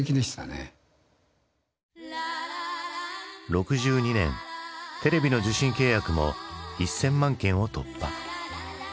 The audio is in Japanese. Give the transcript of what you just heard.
６２年テレビの受信契約も１，０００万件を突破。